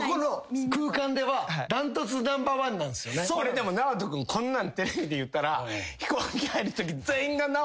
でもＮＡＯＴＯ君こんなんテレビで言うたら。